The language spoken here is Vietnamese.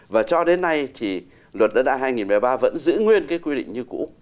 và cho đến nay thì luật đất đai hai nghìn một mươi ba vẫn giữ nguyên cái quy định như cũ